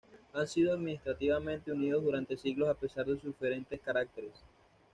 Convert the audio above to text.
Han sido administrativamente unidos durante siglos a pesar de sus diferentes caracteres.